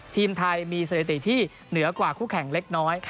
ทีมไทยมีเสด็ตินึกเถอะกว่ากู่แข่งเล็กน้อย